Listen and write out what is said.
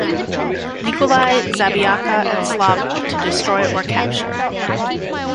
Nikolai", "Zabiaka" and "Slava" to destroy or capture.